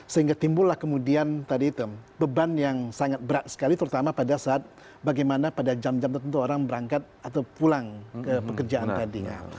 sehingga timbullah kemudian tadi itu beban yang sangat berat sekali terutama pada saat bagaimana pada jam jam tertentu orang berangkat atau pulang ke pekerjaan tadi